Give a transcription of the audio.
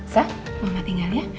saya mama tinggal ya